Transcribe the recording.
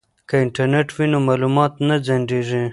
که انټرنیټ وي نو معلومات نه ځنډیږي.